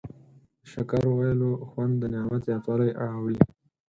د شکر ویلو خوند د نعمت زیاتوالی راوړي.